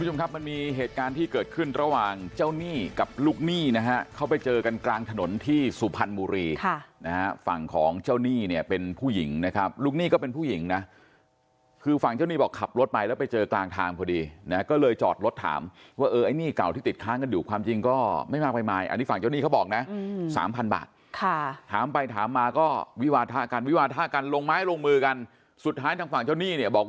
มันมีเหตุการณ์ที่เกิดขึ้นระหว่างเจ้าหนี้กับลูกหนี้นะฮะเข้าไปเจอกันกลางถนนที่สุพรรณบุรีนะฮะฝั่งของเจ้าหนี้เนี่ยเป็นผู้หญิงนะครับลูกหนี้ก็เป็นผู้หญิงนะคือฝั่งเจ้าหนี้บอกขับรถไปแล้วไปเจอกลางทางพอดีนะก็เลยจอดรถถามว่าเออไอ้นี่เก่าที่ติดค้างกันอยู่ความจริงก็ไม่มาไปมายอันนี้ฝั่งเจ้าหน